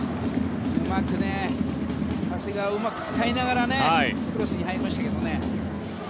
長谷川をうまく使いながらクロスに入りましたけどね。